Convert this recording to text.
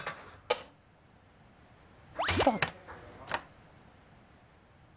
スタート。